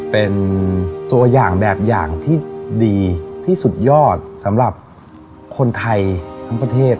เป็นตัวอย่างแบบอย่างที่ดีที่สุดยอดสำหรับคนไทยทั้งประเทศ